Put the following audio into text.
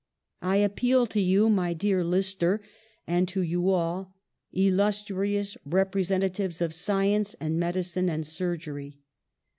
I appeal to you, by dear Lister, and to you all, illustrious representatives of science and medicine and surgery.